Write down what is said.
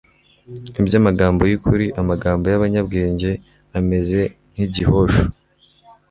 iby'amagambo y'ukuri. amagambo y'abanyabwenge ameze nk'igihosho